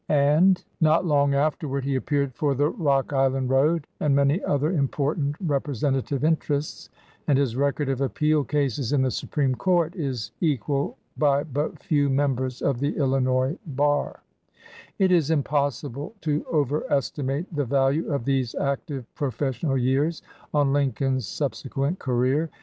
'■■'■■''■;''•.."■ I rom a photograph Portrait of Lincoln LEADER OF THE BAR not long afterward he appeared for the Rock Island Road and many other important represen tative interests, and his record of appeal cases in the Supreme Court is equalled by but few members of the Illinois bar. It is impossible to overestimate the value of these active professional years on Lincoln's sub sequent career.